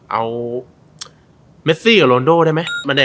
เอาเมซี่กับโรนโดได้ไหม